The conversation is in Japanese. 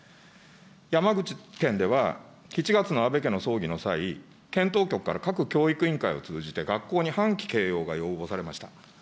山口県では、７月の安倍家の葬儀の際、県当局から各教育委員会を通じて学校に半旗掲揚が要望されました。